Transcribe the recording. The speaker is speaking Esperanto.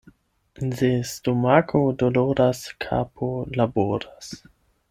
Se stomako doloras, kapo laboras.